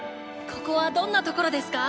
ここはどんな所ですか？